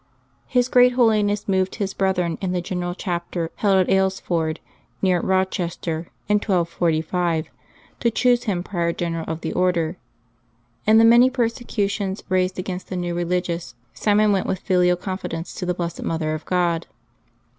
His great holiness moved his brethren in the general chapter held at Aylesford, near Eochester, in 1245, to choose him prior general of the Order. In the many persecutions raised against the new religious, Simon went with filial confidence to the Blessed Mother of God.